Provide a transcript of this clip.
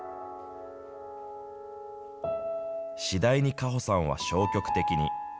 次第に果歩さんは消極的に。